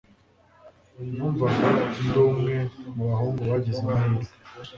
numvaga ndi umwe mubahungu bagize amahirwe